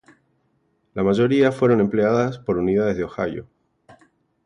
La mayoría fueron empleadas por unidades de Ohio.